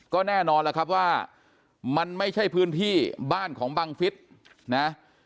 ก็แน่นอนล่ะครับว่ามันไม่ใช่พื้นที่บ้านของบังฟิศนะ